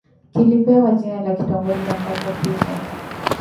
Kilipewa jina la kitongoji ambapo kipo